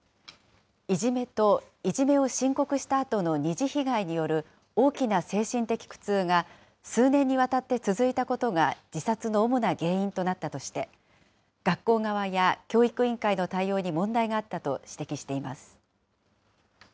いじめと、いじめを申告したあとの二次被害による大きな精神的苦痛が数年にわたって続いたことが自殺の主な原因となったとして、学校側や教育委員会の対応に問題があったと指摘しています。